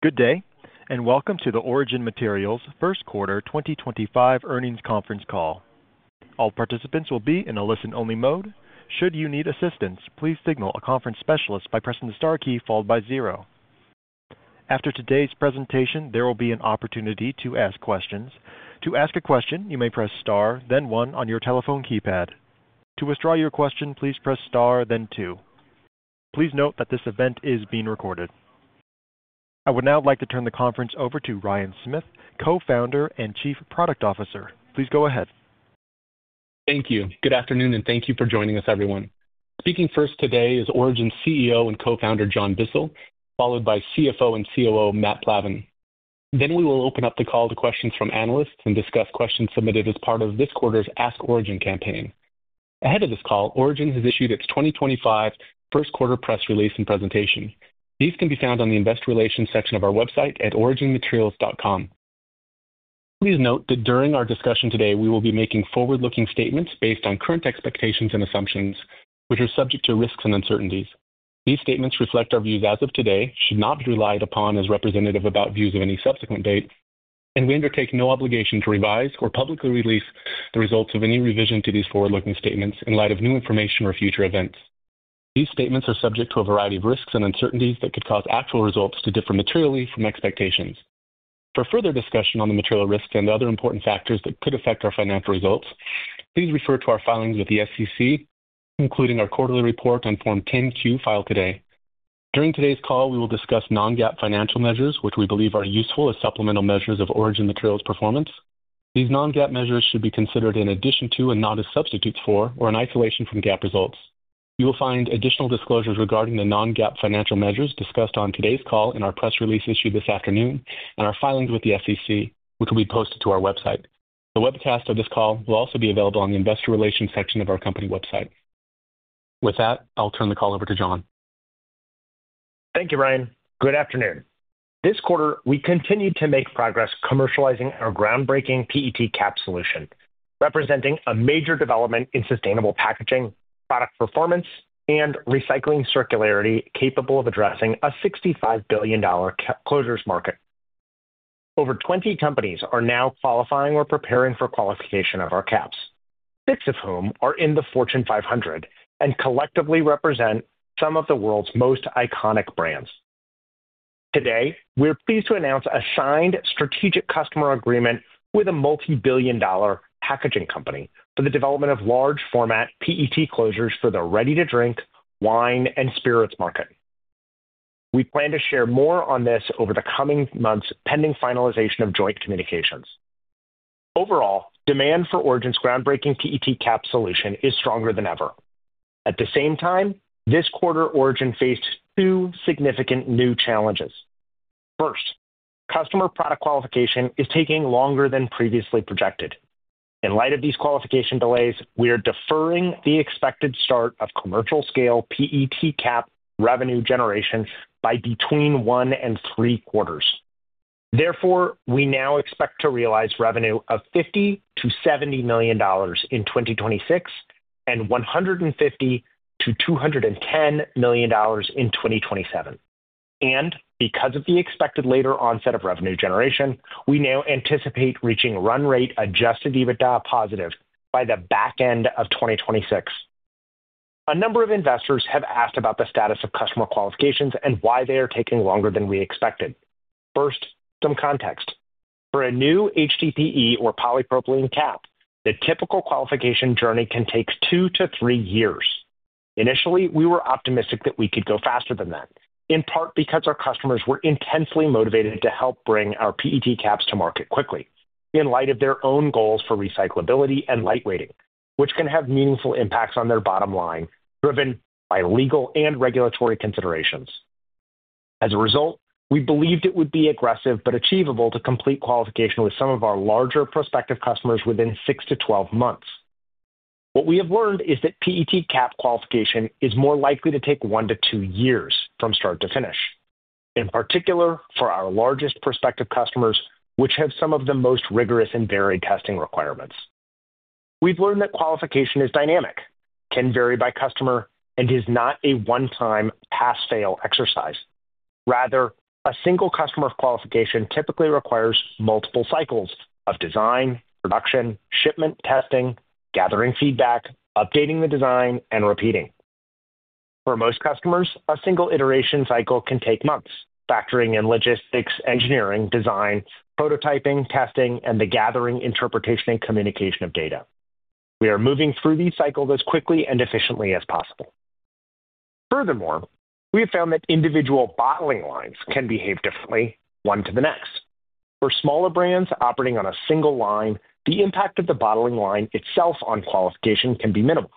Good day, and welcome to the Origin Materials first quarter 2025 earnings conference call. All participants will be in a listen-only mode. Should you need assistance, please signal a conference specialist by pressing the star key followed by zero. After today's presentation, there will be an opportunity to ask questions. To ask a question, you may press star, then one, on your telephone keypad. To withdraw your question, please press star, then two. Please note that this event is being recorded. I would now like to turn the conference over to Ryan Smith, co-founder and Chief Product Officer. Please go ahead. Thank you. Good afternoon, and thank you for joining us, everyone. Speaking first today is Origin's CEO and co-founder, John Bissell, followed by CFO and COO, Matt Plavan. We will open up the call to questions from analysts and discuss questions submitted as part of this quarter's Ask Origin campaign. Ahead of this call, Origin has issued its 2025 first quarter press release and presentation. These can be found on the investor relations section of our website at originmaterials.com. Please note that during our discussion today, we will be making forward-looking statements based on current expectations and assumptions, which are subject to risks and uncertainties. These statements reflect our views as of today, should not be relied upon as representative about views of any subsequent date, and we undertake no obligation to revise or publicly release the results of any revision to these forward-looking statements in light of new information or future events. These statements are subject to a variety of risks and uncertainties that could cause actual results to differ materially from expectations. For further discussion on the material risks and other important factors that could affect our financial results, please refer to our filings with the SEC, including our quarterly report on Form 10-Q filed today. During today's call, we will discuss non-GAAP financial measures, which we believe are useful as supplemental measures of Origin Materials' performance. These non-GAAP measures should be considered in addition to and not as substitutes for or in isolation from GAAP results. You will find additional disclosures regarding the non-GAAP financial measures discussed on today's call in our press release issued this afternoon and our filings with the SEC, which will be posted to our website. The webcast of this call will also be available on the investor relations section of our company website. With that, I'll turn the call over to John. Thank you, Ryan. Good afternoon. This quarter, we continue to make progress commercializing our groundbreaking PET cap solution, representing a major development in sustainable packaging, product performance, and recycling circularity capable of addressing a $65 billion closures market. Over 20 companies are now qualifying or preparing for qualification of our caps, six of whom are in the Fortune 500 and collectively represent some of the world's most iconic brands. Today, we're pleased to announce a signed strategic customer agreement with a multi-billion dollar packaging company for the development of large format PET closures for the ready-to-drink, wine, and spirits market. We plan to share more on this over the coming months pending finalization of joint communications. Overall, demand for Origin's groundbreaking PET cap solution is stronger than ever. At the same time, this quarter, Origin faced two significant new challenges. First, our customer product qualification is taking longer than previously projected. In light of these qualification delays, we are deferring the expected start of commercial scale PET cap revenue generation by between one and three quarters. Therefore, we now expect to realize revenue of $50 million-$70 million in 2026 and $150 million-$210 million in 2027. Because of the expected later onset of revenue generation, we now anticipate reaching run rate adjusted EBITDA positive by the back end of 2026. A number of investors have asked about the status of customer qualifications and why they are taking longer than we expected. First, some context. For a new HDPE or polypropylene cap, the typical qualification journey can take two to three years. Initially, we were optimistic that we could go faster than that, in part because our customers were intensely motivated to help bring our PET caps to market quickly in light of their own goals for recyclability and light weighting, which can have meaningful impacts on their bottom line driven by legal and regulatory considerations. As a result, we believed it would be aggressive but achievable to complete qualification with some of our larger prospective customers within 6-12 months. What we have learned is that PET cap qualification is more likely to take one to two years from start to finish, in particular for our largest prospective customers, which have some of the most rigorous and varied testing requirements. We've learned that qualification is dynamic, can vary by customer, and is not a one-time pass/fail exercise. Rather, a single customer qualification typically requires multiple cycles of design, production, shipment testing, gathering feedback, updating the design, and repeating. For most customers, a single iteration cycle can take months, factoring in logistics, engineering, design, prototyping, testing, and the gathering, interpretation, and communication of data. We are moving through these cycles as quickly and efficiently as possible. Furthermore, we have found that individual bottling lines can behave differently one to the next. For smaller brands operating on a single line, the impact of the bottling line itself on qualification can be minimal.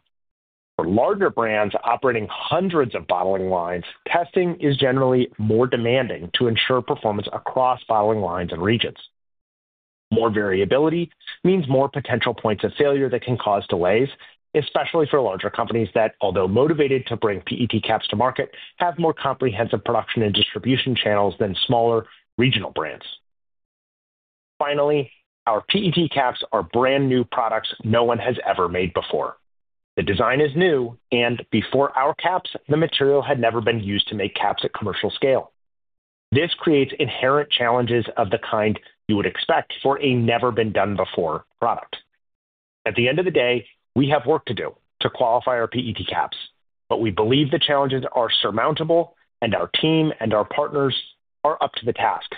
For larger brands operating hundreds of bottling lines, testing is generally more demanding to ensure performance across bottling lines and regions. More variability means more potential points of failure that can cause delays, especially for larger companies that, although motivated to bring PET caps to market, have more comprehensive production and distribution channels than smaller regional brands. Finally, our PET caps are brand new products no one has ever made before. The design is new, and before our caps, the material had never been used to make caps at commercial scale. This creates inherent challenges of the kind you would expect for a never-been-done-before product. At the end of the day, we have work to do to qualify our PET caps, but we believe the challenges are surmountable, and our team and our partners are up to the task.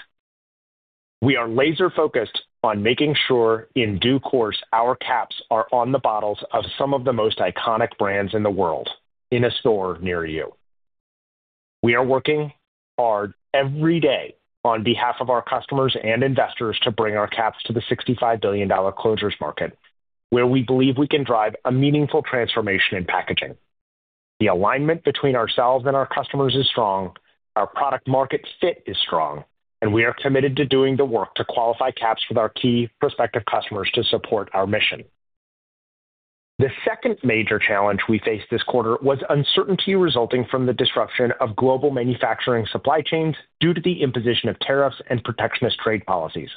We are laser-focused on making sure in due course our caps are on the bottles of some of the most iconic brands in the world in a store near you. We are working hard every day on behalf of our customers and investors to bring our caps to the $65 billion closures market, where we believe we can drive a meaningful transformation in packaging. The alignment between ourselves and our customers is strong, our product-market fit is strong, and we are committed to doing the work to qualify caps with our key prospective customers to support our mission. The second major challenge we faced this quarter was uncertainty resulting from the disruption of global manufacturing supply chains due to the imposition of tariffs and protectionist trade policies.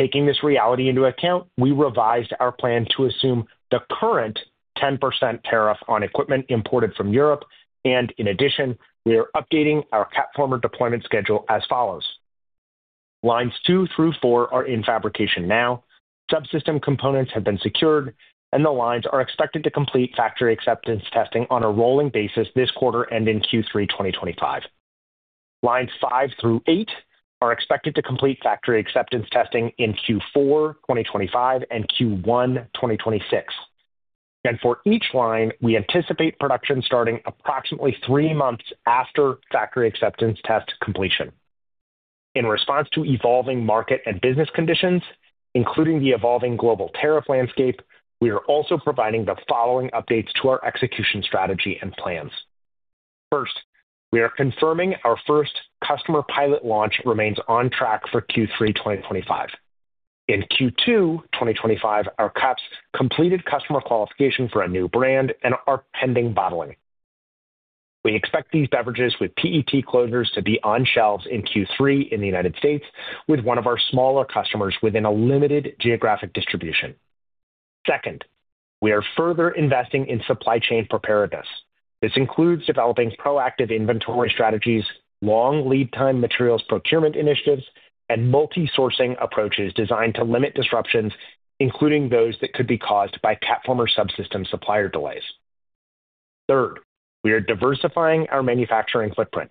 Taking this reality into account, we revised our plan to assume the current 10% tariff on equipment imported from Europe, and in addition, we are updating our cap format deployment schedule as follows. Lines two through four are in fabrication now, subsystem components have been secured, and the lines are expected to complete factory acceptance testing on a rolling basis this quarter ending Q3 2025. Lines five through eight are expected to complete factory acceptance testing in Q4 2025 and Q1 2026. For each line, we anticipate production starting approximately three months after factory acceptance test completion. In response to evolving market and business conditions, including the evolving global tariff landscape, we are also providing the following updates to our execution strategy and plans. First, we are confirming our first customer pilot launch remains on track for Q3 2025. In Q2 2025, our caps completed customer qualification for a new brand and are pending bottling. We expect these beverages with PET closures to be on shelves in Q3 in the United States with one of our smaller customers within a limited geographic distribution. Second, we are further investing in supply chain preparedness. This includes developing proactive inventory strategies, long lead-time materials procurement initiatives, and multi-sourcing approaches designed to limit disruptions, including those that could be caused by cap format subsystem supplier delays. Third, we are diversifying our manufacturing footprint.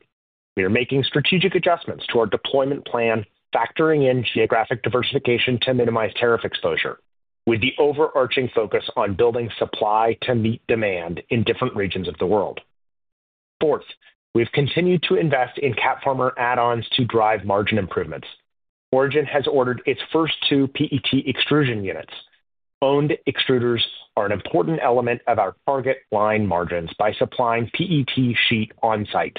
We are making strategic adjustments to our deployment plan, factoring in geographic diversification to minimize tariff exposure, with the overarching focus on building supply to meet demand in different regions of the world. Fourth, we've continued to invest in cap format add-ons to drive margin improvements. Origin has ordered its first two PET extrusion units. Owned extruders are an important element of our target line margins by supplying PET sheet on-site.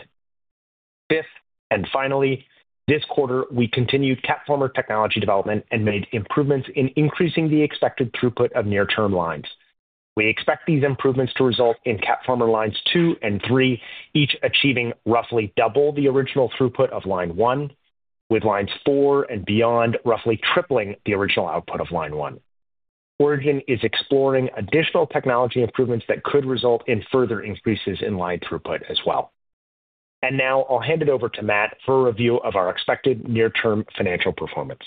Fifth, and finally, this quarter, we continued cap format technology development and made improvements in increasing the expected throughput of near-term lines. We expect these improvements to result in cap format lines two and three, each achieving roughly double the original throughput of line one, with lines four and beyond roughly tripling the original output of line one. Origin is exploring additional technology improvements that could result in further increases in line throughput as well. I'll hand it over to Matt for a review of our expected near-term financial performance.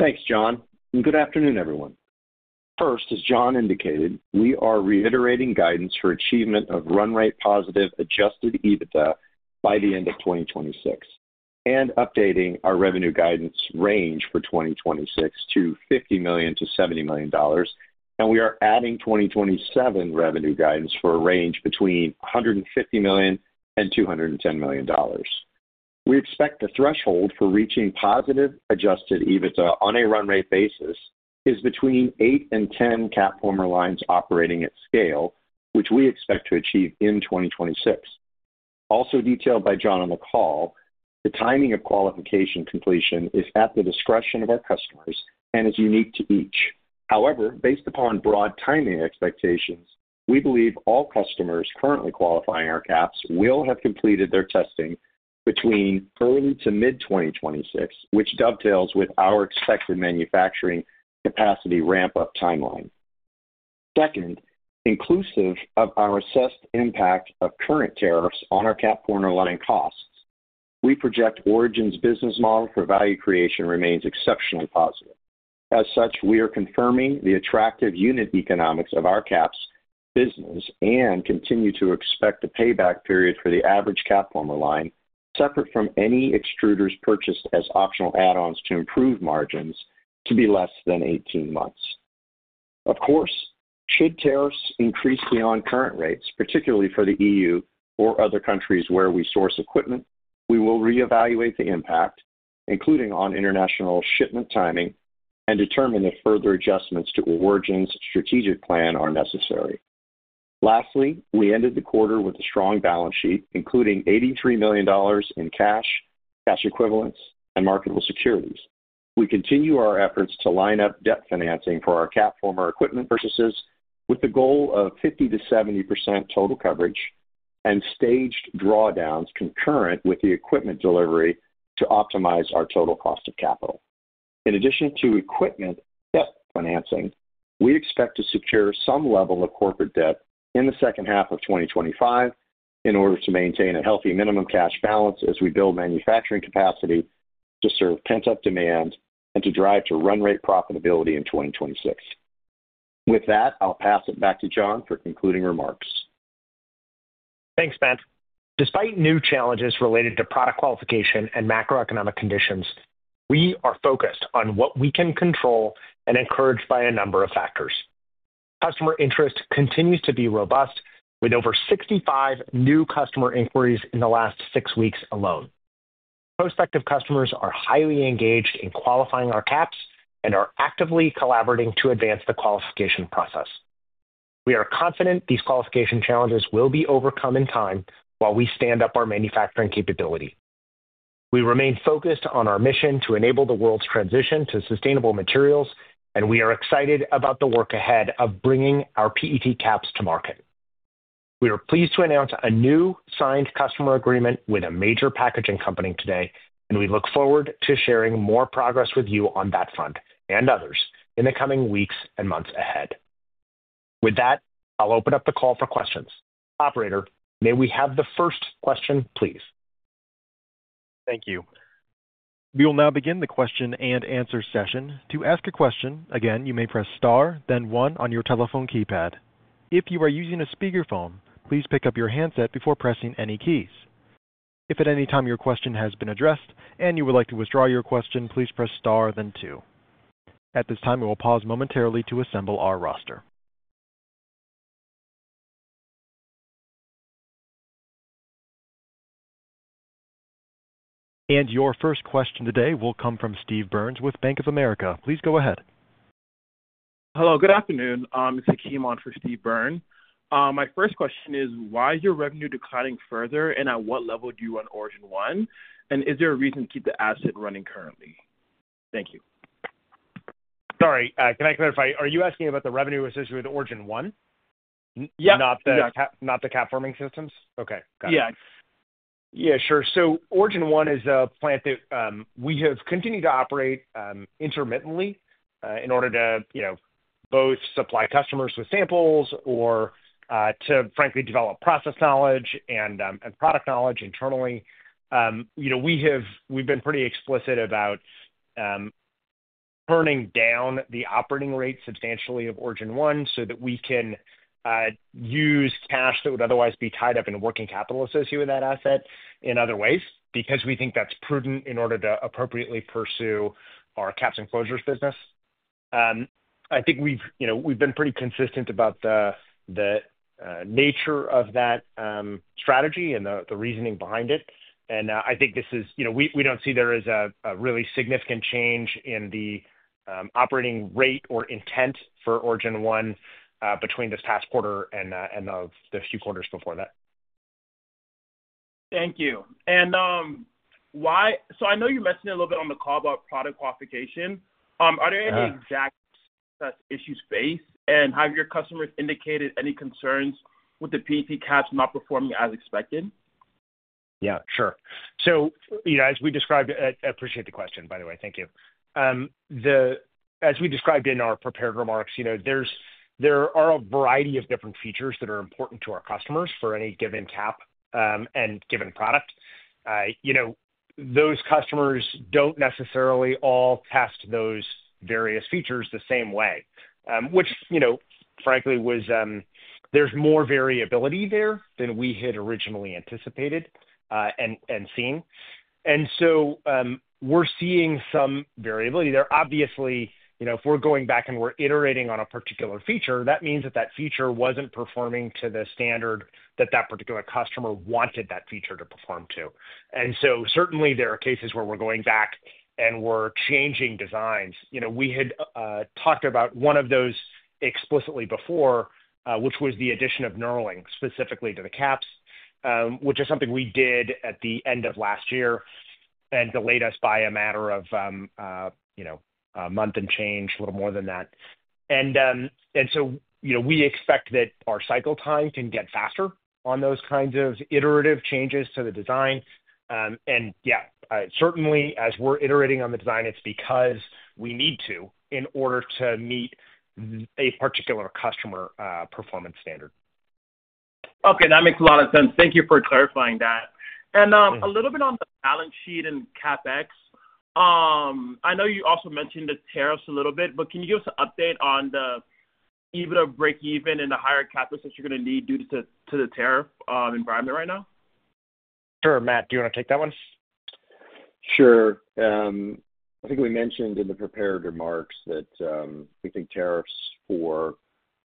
Thanks, John. Good afternoon, everyone. First, as John indicated, we are reiterating guidance for achievement of run rate positive adjusted EBITDA by the end of 2026 and updating our revenue guidance range for 2026 to $50 million-$70 million, and we are adding 2027 revenue guidance for a range between $150 million and $210 million. We expect the threshold for reaching positive adjusted EBITDA on a run rate basis is between eight and ten cap format lines operating at scale, which we expect to achieve in 2026. Also detailed by John on the call, the timing of qualification completion is at the discretion of our customers and is unique to each. However, based upon broad timing expectations, we believe all customers currently qualifying our caps will have completed their testing between early to mid-2026, which dovetails with our expected manufacturing capacity ramp-up timeline. Second, inclusive of our assessed impact of current tariffs on our cap format line costs, we project Origin's business model for value creation remains exceptionally positive. As such, we are confirming the attractive unit economics of our caps business and continue to expect a payback period for the average cap format line, separate from any extruders purchased as optional add-ons to improve margins, to be less than 18 months. Of course, should tariffs increase beyond current rates, particularly for the EU or other countries where we source equipment, we will reevaluate the impact, including on international shipment timing, and determine if further adjustments to Origin's strategic plan are necessary. Lastly, we ended the quarter with a strong balance sheet, including $83 million in cash, cash equivalents, and marketable securities. We continue our efforts to line up debt financing for our cap format equipment purchases with the goal of 50%-70% total coverage and staged drawdowns concurrent with the equipment delivery to optimize our total cost of capital. In addition to equipment debt financing, we expect to secure some level of corporate debt in the second half of 2025 in order to maintain a healthy minimum cash balance as we build manufacturing capacity to serve pent-up demand and to drive to run rate profitability in 2026. With that, I'll pass it back to John for concluding remarks. Thanks, Matt. Despite new challenges related to product qualification and macroeconomic conditions, we are focused on what we can control and encouraged by a number of factors. Customer interest continues to be robust, with over 65 new customer inquiries in the last six weeks alone. Prospective customers are highly engaged in qualifying our caps and are actively collaborating to advance the qualification process. We are confident these qualification challenges will be overcome in time while we stand up our manufacturing capability. We remain focused on our mission to enable the world's transition to sustainable materials, and we are excited about the work ahead of bringing our PET caps to market. We are pleased to announce a new signed customer agreement with a major packaging company today, and we look forward to sharing more progress with you on that front and others in the coming weeks and months ahead. With that, I'll open up the call for questions. Operator, may we have the first question, please? Thank you. We will now begin the question and answer session. To ask a question, again, you may press star, then one on your telephone keypad. If you are using a speakerphone, please pick up your handset before pressing any keys. If at any time your question has been addressed and you would like to withdraw your question, please press star, then two. At this time, we will pause momentarily to assemble our roster. Your first question today will come from Steve Burns with Bank of America. Please go ahead. Hello, good afternoon. This is Hakeem on for Steve Burns. My first question is, why is your revenue declining further, and at what level do you run Origin One? Is there a reason to keep the asset running currently? Thank you. Sorry, can I clarify? Are you asking about the revenue associated with Origin One? Yeah. Not the CapFormer systems? Okay. Got it. Yeah. Yeah, sure. Origin 1 is a plant that we have continued to operate intermittently in order to both supply customers with samples or to, frankly, develop process knowledge and product knowledge internally. We've been pretty explicit about turning down the operating rate substantially of Origin 1s so that we can use cash that would otherwise be tied up in working capital associated with that asset in other ways because we think that's prudent in order to appropriately pursue our caps and closures business. I think we've been pretty consistent about the nature of that strategy and the reasoning behind it. I think this is we don't see there is a really significant change in the operating rate or intent for Origin 1 between this past quarter and the few quarters before that. Thank you. I know you mentioned a little bit on the call about product qualification. Are there any exact success issues faced, and have your customers indicated any concerns with the PET caps not performing as expected? Yeah, sure. As we described, I appreciate the question, by the way. Thank you. As we described in our prepared remarks, there are a variety of different features that are important to our customers for any given cap and given product. Those customers do not necessarily all test those various features the same way, which, frankly, there is more variability there than we had originally anticipated and seen. We are seeing some variability there. Obviously, if we are going back and we are iterating on a particular feature, that means that that feature was not performing to the standard that that particular customer wanted that feature to perform to. Certainly, there are cases where we are going back and we are changing designs. We had talked about one of those explicitly before, which was the addition of knurling specifically to the caps, which is something we did at the end of last year and delayed us by a matter of a month and change, a little more than that. We expect that our cycle time can get faster on those kinds of iterative changes to the design. Yeah, certainly, as we're iterating on the design, it's because we need to in order to meet a particular customer performance standard. Okay. That makes a lot of sense. Thank you for clarifying that. A little bit on the balance sheet and CapEx. I know you also mentioned the tariffs a little bit, but can you give us an update on the EBITDA break-even and the higher cap rates that you're going to need due to the tariff environment right now? Sure. Matt, do you want to take that one? Sure. I think we mentioned in the prepared remarks that we think tariffs for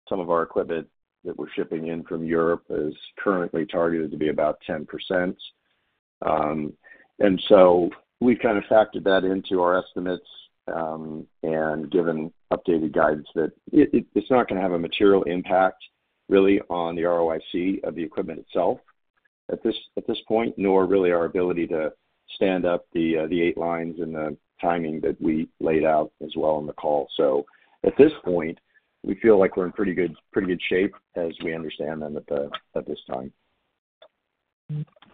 some of our equipment that we're shipping in from Europe is currently targeted to be about 10%. We've kind of factored that into our estimates and given updated guidance that it's not going to have a material impact really on the ROIC of the equipment itself at this point, nor really our ability to stand up the eight lines and the timing that we laid out as well on the call. At this point, we feel like we're in pretty good shape as we understand them at this time.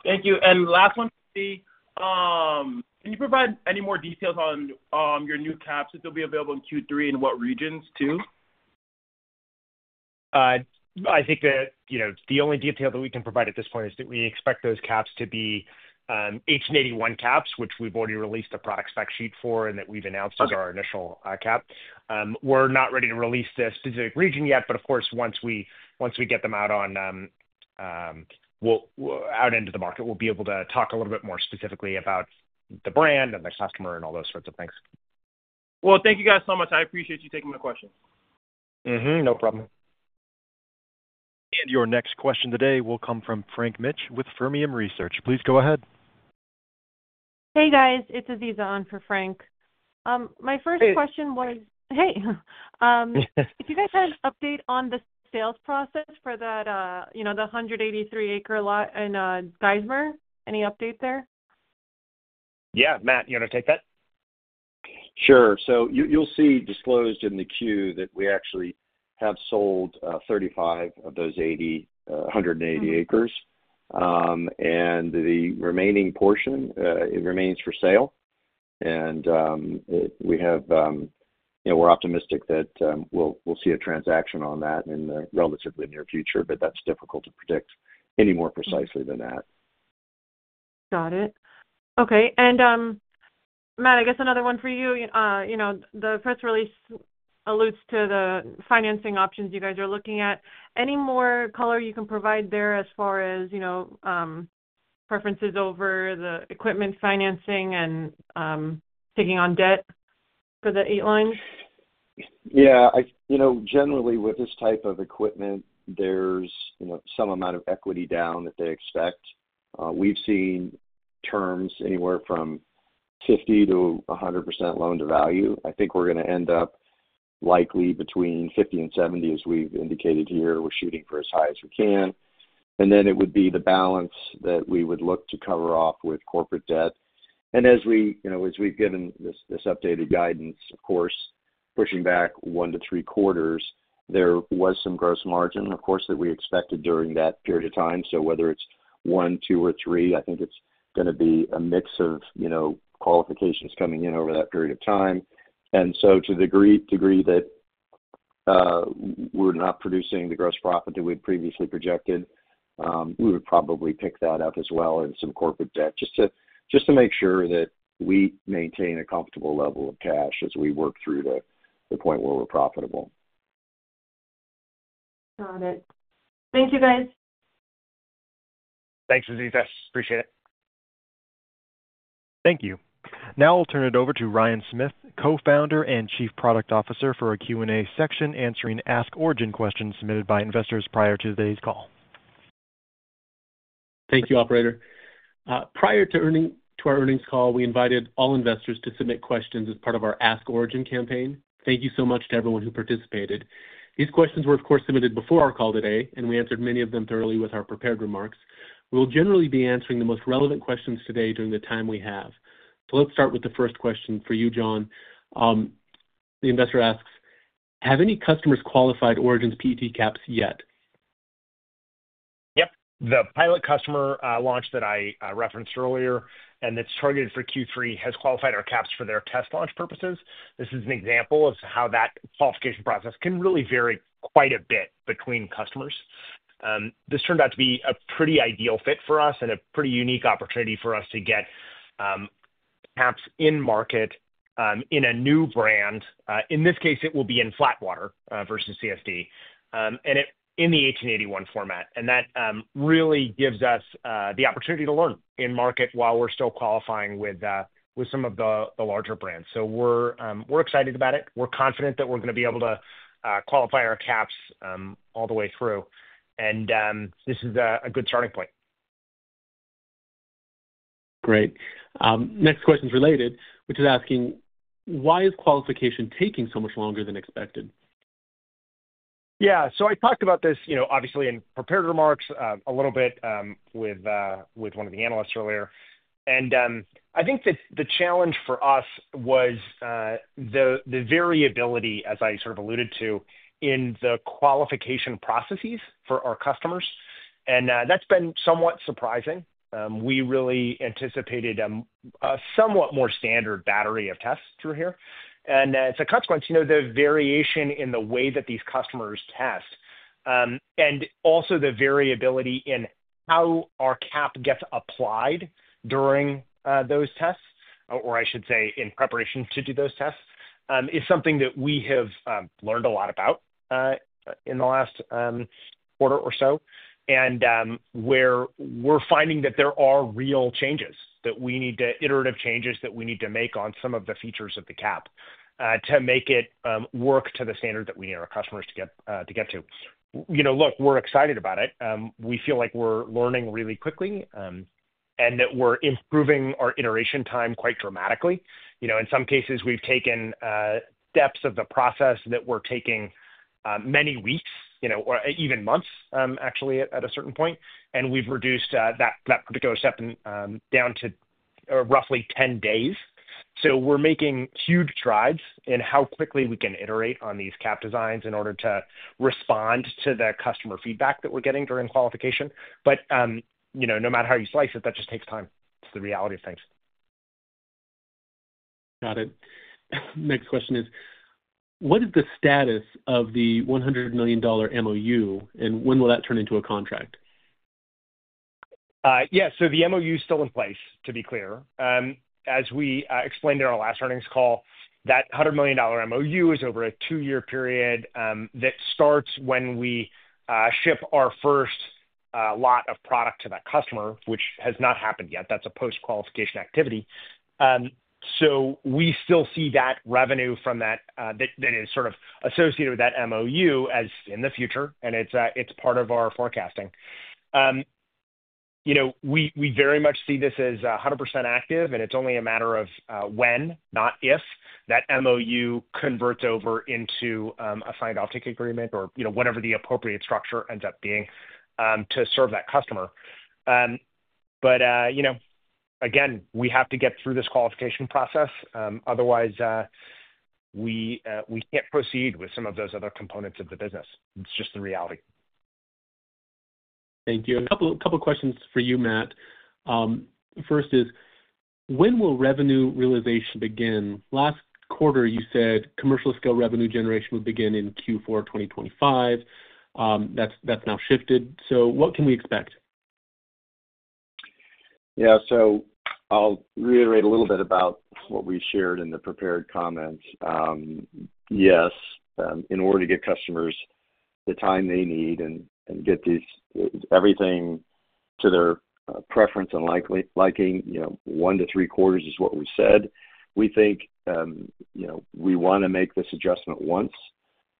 Thank you. Last one, can you provide any more details on your new caps that will be available in Q3 and what regions too? I think that the only detail that we can provide at this point is that we expect those caps to be 1881 caps, which we've already released a product spec sheet for and that we've announced as our initial cap. We're not ready to release the specific region yet, but of course, once we get them out into the market, we'll be able to talk a little bit more specifically about the brand and the customer and all those sorts of things. Thank you guys so much. I appreciate you taking my questions. No problem. Your next question today will come from Frank Mitch with Fermium Research. Please go ahead. Hey, guys. It's Aziza on for Frank. My first question was, hey, if you guys had an update on the sales process for the 183-acre lot in Geismar, any update there? Yeah. Matt, you want to take that? Sure. You'll see disclosed in the queue that we actually have sold 35 of those 180 acres, and the remaining portion remains for sale. We're optimistic that we'll see a transaction on that in the relatively near future, but that's difficult to predict any more precisely than that. Got it. Okay. Matt, I guess another one for you. The press release alludes to the financing options you guys are looking at. Any more color you can provide there as far as preferences over the equipment financing and taking on debt for the eight lines? Yeah. Generally, with this type of equipment, there's some amount of equity down that they expect. We've seen terms anywhere from 50%-100% loan to value. I think we're going to end up likely between 50% and 70%, as we've indicated here. We're shooting for as high as we can. It would be the balance that we would look to cover off with corporate debt. As we've given this updated guidance, of course, pushing back one to three quarters, there was some gross margin, of course, that we expected during that period of time. Whether it's one, two, or three, I think it's going to be a mix of qualifications coming in over that period of time. To the degree that we're not producing the gross profit that we've previously projected, we would probably pick that up as well as some corporate debt just to make sure that we maintain a comfortable level of cash as we work through to the point where we're profitable. Got it. Thank you, guys. Thanks, Aziza. Appreciate it. Thank you. Now I'll turn it over to Ryan Smith, Co-founder and Chief Product Officer, for a Q&A section answering Ask Origin questions submitted by investors prior to today's call. Thank you, Operator. Prior to our earnings call, we invited all investors to submit questions as part of our Ask Origin campaign. Thank you so much to everyone who participated. These questions were, of course, submitted before our call today, and we answered many of them thoroughly with our prepared remarks. We will generally be answering the most relevant questions today during the time we have. Let's start with the first question for you, John. The investor asks, have any customers qualified Origin's PET caps yet? Yep. The pilot customer launch that I referenced earlier and that's targeted for Q3 has qualified our caps for their test launch purposes. This is an example of how that qualification process can really vary quite a bit between customers. This turned out to be a pretty ideal fit for us and a pretty unique opportunity for us to get caps in market in a new brand. In this case, it will be in Flatwater versus CSD in the 1881 format. That really gives us the opportunity to learn in market while we're still qualifying with some of the larger brands. We're excited about it. We're confident that we're going to be able to qualify our caps all the way through. This is a good starting point. Great. Next question is related, which is asking, why is qualification taking so much longer than expected? Yeah. I talked about this, obviously, in prepared remarks a little bit with one of the analysts earlier. I think that the challenge for us was the variability, as I sort of alluded to, in the qualification processes for our customers. That's been somewhat surprising. We really anticipated a somewhat more standard battery of tests through here. As a consequence, the variation in the way that these customers test and also the variability in how our cap gets applied during those tests, or I should say in preparation to do those tests, is something that we have learned a lot about in the last quarter or so. We are finding that there are real changes that we need to, iterative changes that we need to make on some of the features of the cap to make it work to the standard that we need our customers to get to. Look, we are excited about it. We feel like we are learning really quickly and that we are improving our iteration time quite dramatically. In some cases, we have taken steps of the process that were taking many weeks or even months, actually, at a certain point. We have reduced that particular step down to roughly 10 days. We are making huge strides in how quickly we can iterate on these cap designs in order to respond to the customer feedback that we are getting during qualification. No matter how you slice it, that just takes time. It is the reality of things. Got it. Next question is, what is the status of the $100 million MOU, and when will that turn into a contract? Yeah. The MOU is still in place, to be clear. As we explained in our last earnings call, that $100 million MOU is over a two-year period that starts when we ship our first lot of product to that customer, which has not happened yet. That is a post-qualification activity. We still see that revenue from that that is sort of associated with that MOU as in the future, and it is part of our forecasting. We very much see this as 100% active, and it is only a matter of when, not if, that MOU converts over into a signed optic agreement or whatever the appropriate structure ends up being to serve that customer. Again, we have to get through this qualification process. Otherwise, we cannot proceed with some of those other components of the business. It is just the reality. Thank you. A couple of questions for you, Matt. First is, when will revenue realization begin? Last quarter, you said commercial-scale revenue generation would begin in Q4 2025. That is now shifted. So what can we expect? Yeah. I'll reiterate a little bit about what we shared in the prepared comments. Yes. In order to get customers the time they need and get everything to their preference and liking, one to three quarters is what we said. We think we want to make this adjustment once.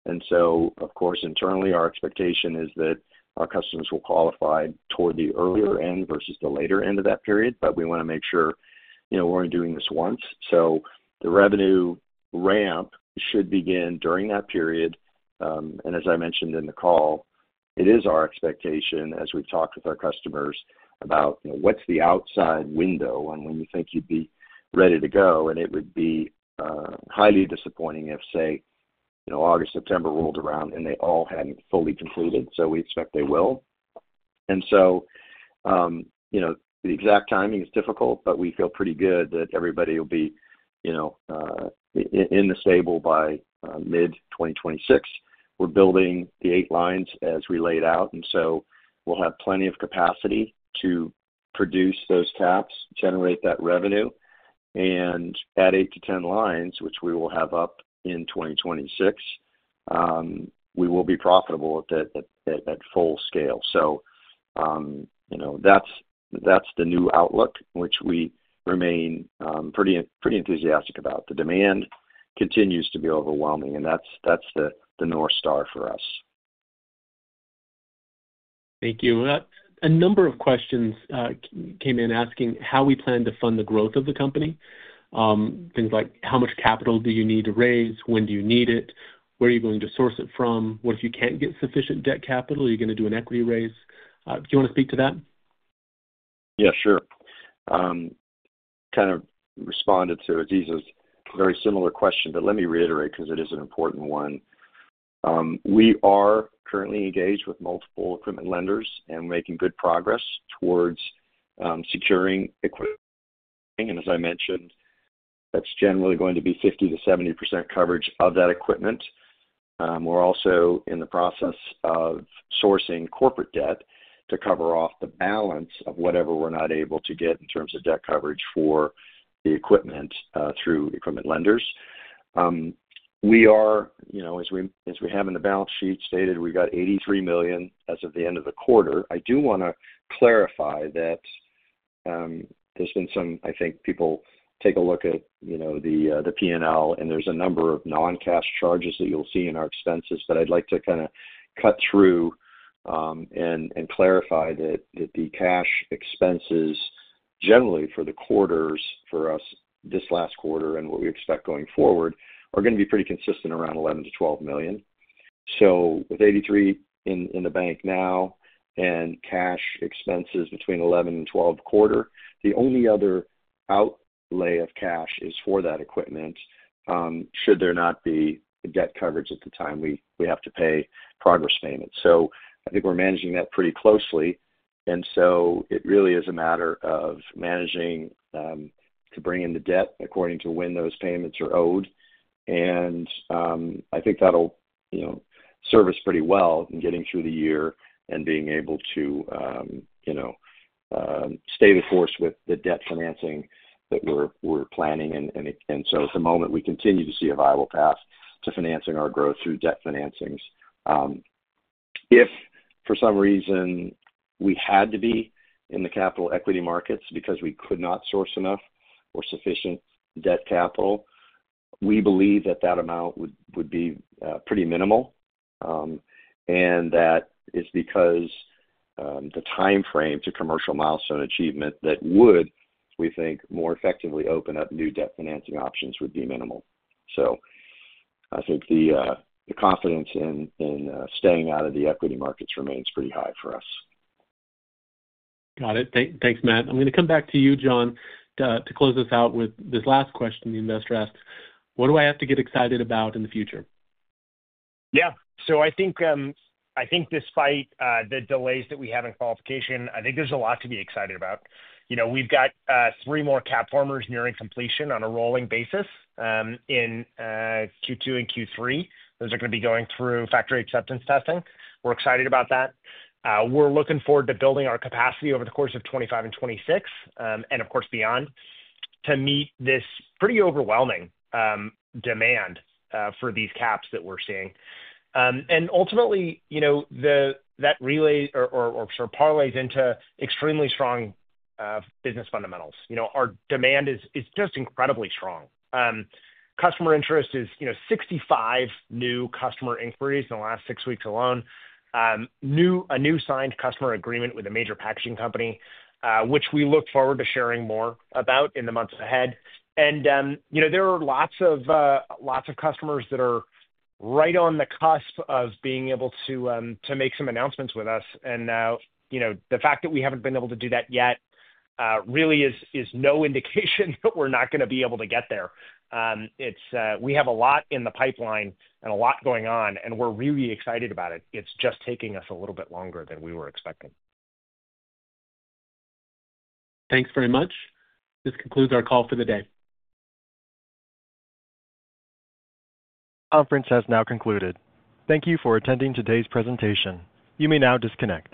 Of course, internally, our expectation is that our customers will qualify toward the earlier end versus the later end of that period. We want to make sure we're only doing this once. The revenue ramp should begin during that period. As I mentioned in the call, it is our expectation as we've talked with our customers about what's the outside window and when you think you'd be ready to go. It would be highly disappointing if, say, August, September rolled around and they all hadn't fully completed. We expect they will. The exact timing is difficult, but we feel pretty good that everybody will be in the stable by mid-2026. We're building the eight lines as we laid out. We'll have plenty of capacity to produce those caps, generate that revenue. At 8-10 lines, which we will have up in 2026, we will be profitable at full scale. That's the new outlook, which we remain pretty enthusiastic about. The demand continues to be overwhelming, and that's the North Star for us. Thank you. A number of questions came in asking how we plan to fund the growth of the company. Things like how much capital do you need to raise, when do you need it, where are you going to source it from, what if you can't get sufficient debt capital, are you going to do an equity raise? Do you want to speak to that? Yeah, sure. Kind of responded to Aziza's very similar question, but let me reiterate because it is an important one. We are currently engaged with multiple equipment lenders and making good progress towards securing equipment. As I mentioned, that's generally going to be 50%-70% coverage of that equipment. We're also in the process of sourcing corporate debt to cover off the balance of whatever we're not able to get in terms of debt coverage for the equipment through equipment lenders. As we have in the balance sheet stated, we got $83 million as of the end of the quarter. I do want to clarify that there's been some, I think people take a look at the P&L, and there's a number of non-cash charges that you'll see in our expenses. I'd like to kind of cut through and clarify that the cash expenses generally for the quarters for us this last quarter and what we expect going forward are going to be pretty consistent around $11 million to $12 million. With $83 million in the bank now and cash expenses between $11 million and $12 million per quarter, the only other outlay of cash is for that equipment should there not be debt coverage at the time we have to pay progress payments. I think we're managing that pretty closely. It really is a matter of managing to bring in the debt according to when those payments are owed. I think that'll serve us pretty well in getting through the year and being able to stay the course with the debt financing that we're planning. At the moment, we continue to see a viable path to financing our growth through debt financings. If for some reason we had to be in the capital equity markets because we could not source enough or sufficient debt capital, we believe that that amount would be pretty minimal. That is because the timeframe to commercial milestone achievement that would, we think, more effectively open up new debt financing options would be minimal. I think the confidence in staying out of the equity markets remains pretty high for us. Got it. Thanks, Matt. I'm going to come back to you, John, to close this out with this last question. The investor asks, what do I have to get excited about in the future? Yeah. I think despite the delays that we have in qualification, I think there's a lot to be excited about. We've got three more CapFormer systems nearing completion on a rolling basis in Q2 and Q3. Those are going to be going through factory acceptance testing. We're excited about that. We're looking forward to building our capacity over the course of 2025 and 2026, and of course, beyond to meet this pretty overwhelming demand for these caps that we're seeing. Ultimately, that relays or parlays into extremely strong business fundamentals. Our demand is just incredibly strong. Customer interest is 65 new customer inquiries in the last six weeks alone, a new signed customer agreement with a major packaging company, which we look forward to sharing more about in the months ahead. There are lots of customers that are right on the cusp of being able to make some announcements with us. The fact that we haven't been able to do that yet really is no indication that we're not going to be able to get there. We have a lot in the pipeline and a lot going on, and we're really excited about it. It's just taking us a little bit longer than we were expecting. Thanks very much. This concludes our call for the day. Conference has now concluded. Thank you for attending today's presentation. You may now disconnect.